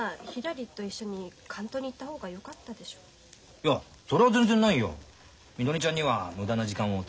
いやそれは全然ないよ。